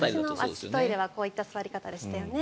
和式トイレはこういった座り方でしたよね。